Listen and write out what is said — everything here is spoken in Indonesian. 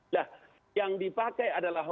nah yang dipakai adalah